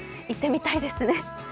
行ってみたいですね。